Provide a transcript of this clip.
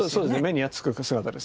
目につく姿ですね。